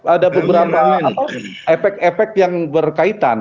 ada beberapa efek efek yang berkaitan